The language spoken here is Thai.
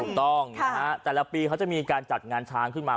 ถูกต้องนะฮะแต่ละปีเขาจะมีการจัดงานช้างขึ้นมา